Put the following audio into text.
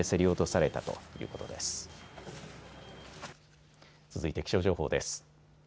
続いて気象情報です。